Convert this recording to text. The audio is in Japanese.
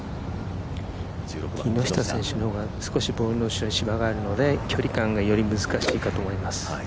木下選手の方が、少しボールの下に芝があるので距離感が難しいと思います。